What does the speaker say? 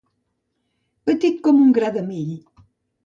Petit com un gra de mill.